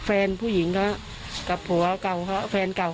กับแฟนผู้หญิงครับกับผัวก่าวครับแฟนเก่ากัน